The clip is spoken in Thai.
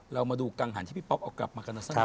เรามาดูกลางหันที่พี่ป๊อบเอากลับมากันหน่อยครับ